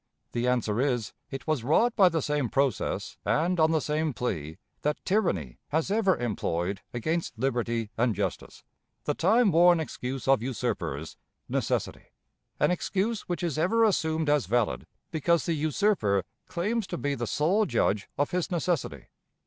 The answer is, It was wrought by the same process and on the same plea that tyranny has ever employed against liberty and justice the time worn excuse of usurpers necessity; an excuse which is ever assumed as valid, because the usurper claims to be the sole judge of his necessity.